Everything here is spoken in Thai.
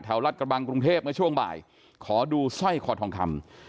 รัฐกระบังกรุงเทพเมื่อช่วงบ่ายขอดูสร้อยคอทองคำ